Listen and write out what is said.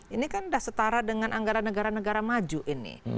ini kan sudah setara dengan anggaran negara negara maju ini